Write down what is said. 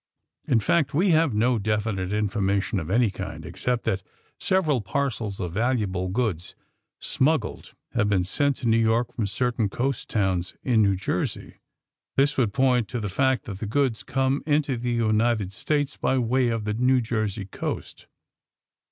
In fact, we have no definite information of any kind, except that sev eral parcels of valuable goods, smuggled, have been sent to New York from certain coast towns ' in New Jersey. This would point to the fact that the goods come into the United States^ by way of the New Jersey coast.